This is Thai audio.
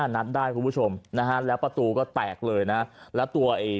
นัดได้คุณผู้ชมนะฮะแล้วประตูก็แตกเลยนะแล้วตัวไอ้